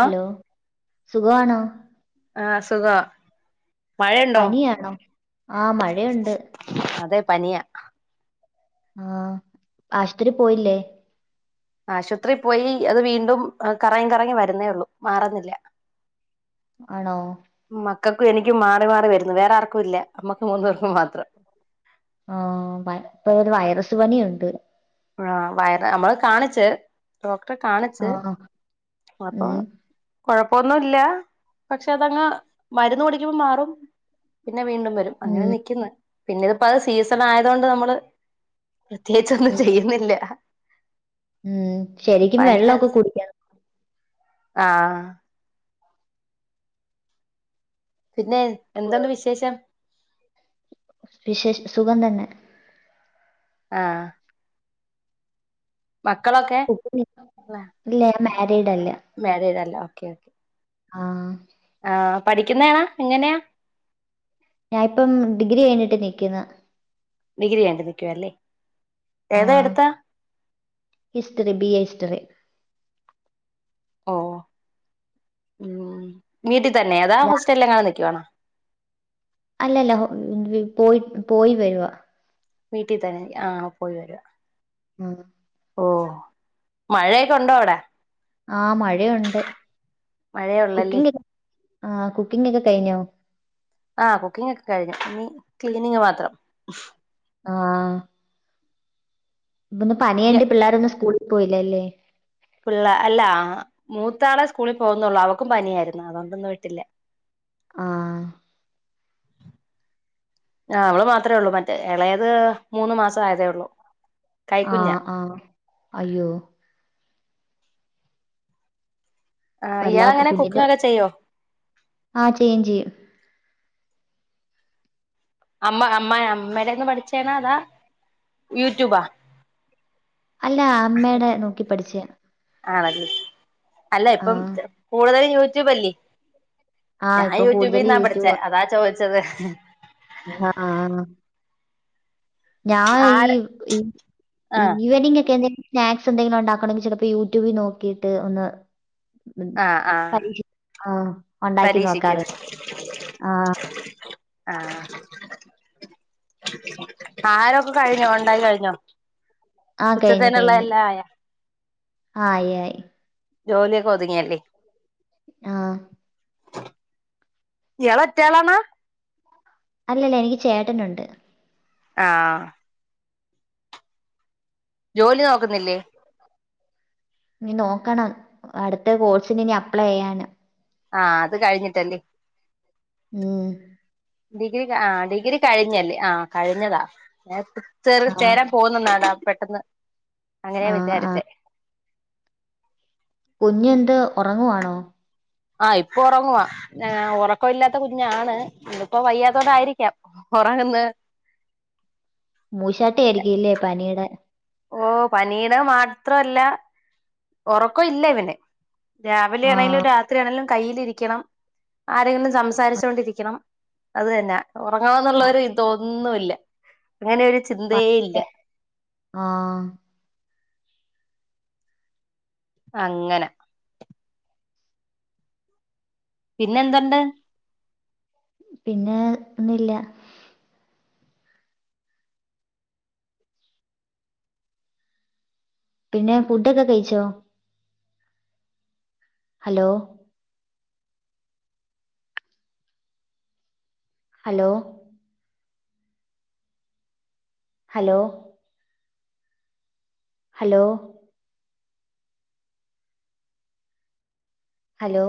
Hello സുഖവാണോ? ആഹ് സുഖ. പനിയാണോ? ആ മഴയുണ്ട്. അതെ പനിയാ. ആഹ്, ആശ്ത്രി പോയില്ലേ? ആശൊത്രി പോയി അത് വീണ്ടും ആഹ് കറങ്ങി കറങ്ങി വരുന്നേ ഒള്ളൂ. മാറുന്നില്ല. ആണോ? മക്കക്കും എനിക്കും മാറി മാറി വരുന്നു. വേറെ ആർക്കുല്ല. നമ്മക്ക് മൂന്ന് പേർക്കും മാത്രം. ആഹ്, വൈ ഇപ്പൊ ഒരു വൈറസ് പനിയുണ്ട്. ആഹ് വയറ് നമ്മള് കാണിച്ച്. ഡോക്ടറെ കാണിച്ച് ആ അപ്പൊ ഉം കൊഴപ്പൊന്നു ഇല്ല. പക്ഷെ അതങ്ങ് മരുന്ന് കുടിക്കുമ്പോ മാറും. പിന്നെ വീണ്ടും വരും. അങ്ങനെ ഉം നിക്ക്ന്ന്. പിന്നെ ഇതിപ്പോ അത് സീസണായതോണ്ട് നമ്മള് എത്തി ഉം തീര്ന്നില്ല. ഉം ശെരിക്കും വെള്ളൊക്കെ കുടിക്കണം. ആഹ്. പിന്നെ എന്തുണ്ട് ഫു- വിശേഷം? വിശേഷം സുഖം തന്നെ. ആഹ് മക്കളൊക്കെ? കുട്ടികളില്ല ഞാൻ മാരിഡ് അല്ല. മാരീഡല്ല ഓക്കെ ഓ ആഹ്. ആഹ് പഠിക്കുന്നാണോ എങ്ങനെയാ? ഞാൻപ്പം ഡിഗ്രി കഴിഞ്ഞിട്ട് നിക്കുന്നു ഡിഗ്രി കഴിഞ്ഞിട്ട് നിക്കുവാല്ലേ ആ ഏതാ എടുത്തേ ഹിസ്റ്ററി ബി എ ഹിസ്റ്ററി ഓഹ് വീട്ടി തന്നെയാ അതോ ഹോസ്റ്റലിൽ എങ്ങാനും നിക്കുവാണോ അല്ലല്ല പോയി പോയി വരുവാ വീട്ടി തന്നെ ആ പോയി വരുവാ ഉം ഓഹ് മഴയൊക്കെ ഉണ്ടോ അവിടെ? ആഹ് മഴയുണ്ട് മഴയുള്ളല്ലേ കുക്കിംഗ് ആഹ് കുക്കിംഗ് ഒക്കെ കഴിഞ്ഞോ? ആഹ് കുക്കിംഗ് ഒക്കെ കഴിഞ്ഞു ഇനി ക്ലീനിങ് മാത്രം ആഹ് ഇന്ന് യ്യ പനിയായോണ്ട് പിള്ളേരൊന്നും സ്കൂളിൽ പോയില്ലല്ലേ പിള്ള അല്ല മൂത്താളെ സ്കൂളിൽ പോവുന്നുള്ളൂ അവക്കും പനിയായിരുന്നു അതൊണ്ടിന്ന് വിട്ടില്ലാ ആഹ് ആഹ് അവള് മാത്രേ ഉള്ളൂ മറ്റേ എളയത് മൂന്ന് മാസം ആയതേ ഉള്ളൂ കൈക്കുഞ്ഞാ ആഹ് ആഹ് അയ്യോ ആഹ് ഇയാൾ വല്ലാത്ത എങ്ങനെ കുക്കിംഗ്‌ ഒക്കെ ചെയ്യോ ആഹ് ചെയ്യും ചെയ്യും അമ്മ അമ്മ അമ്മടേന്ന് പഠിച്ചേണാ അതാ യൂട്യൂബോ അല്ല അമ്മേടെ നോക്കി പഠിച്ചേ ആണല്ലേ അല്ല ആ ഇപ്പം കൂടുതലും യൂട്യൂബല്ലേ ആ ഞാൻ ഇപ്പൊ കൂടുതൽ യൂട്യൂബിൽന്നാ യൂട്യൂബ് പഠിച്ചേ അതാ ചോദിച്ചത് ആഹ് ഞാൻ ആര് ഈ ആഹ് ഈവനിങ് ഒക്കെ എന്തേലും സ്നാക്സ് എന്തെങ്കിലും ഉണ്ടാക്കണമെങ്കിൽ ചിലപ്പോ യൂട്യൂബിൽ നോക്കിയിട്ട് ഒന്ന് ആഹ് ആഹ് പരീക്ഷിക്കും ആഹ് ഒണ്ടാക്കി പരീക്ഷക്ക് നോക്കാറുണ്ട് ആഹ് ആഹ് ആഹാരൊക്കെ കഴിഞ്ഞോ ഉണ്ടാക്കി കഴിഞ്ഞോ? ആഹ് കഴിഞ്ഞു ഉച്ചത്തേനുള്ള കഴിഞ്ഞു എല്ലാം ആയാ ആയി ആയി ജോലിയൊക്കെ ഒതുങ്ങിയല്ലേ ആഹ് ഇയാളൊറ്റയാളാണോ അല്ലല്ല എനിക്ക് ചേട്ടനുണ്ട് ആഹ് ജോലി നോക്കുന്നില്ലേ? ഇനി നോക്കണം അടുത്ത കോഴ്സിന് ഇനി അപ്ലൈ ചെയ്യാൻ ആഹ് അത് കഴിഞ്ഞിട്ടല്ലേ ഉം ഡിഗ്രി ആ ഡിഗ്രി കഴിഞ്ഞല്ലേ ആഹ് കഴിഞ്ഞതാ [unintelligible] ആ ചേരാൻ പോകുന്നന്നാടാ പെട്ടെന്ന് അങ്ങനെയാ ആഹ് ആഹ് വിചാരിച്ചേ കുഞ്ഞെന്ത് ഉറങ്ങുവാണോ ആഹ് ഇപ്പൊ ഉറങ്ങുവ ഉറക്ക ഇല്ലാത്ത കുഞ്ഞാണ് ഇന്നിപ്പോ വയ്യാത്തോണ്ട് ആയിരിക്കാം ഉറങ്ങന്ന് മൂശാട്ട ആയിരിക്കയില്ലേ പനിടേ ഓ പനിടെ മാത്രല്ല ഉറക്കം ഇല്ല ഇവന് രാവിലെയാണേലും ആഹ് രാ ത്രിയാണേലും കയ്യിലിരിക്കണം ആരെങ്കിലും സംസാരിച്ചു കൊണ്ടിരിക്കണം അത് തന്നെ ഉറങ്ങണംന്നുള്ളോരു ഇതൊന്നുല്ല അങ്ങനെ ഒരു ചിന്തയേ ഇല്ല പനിയുടെ ആഹ് അങ്ങനെ പിന്നെ എന്തുണ്ട് പിന്നെ ഒന്നും ഇല്ല പിന്നെ ഫുഡൊക്കെ കഴിച്ചോ hello hello hello hello hello